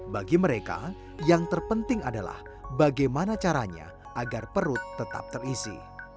bagi mereka yang terpenting adalah bagaimana caranya agar perut tetap terisi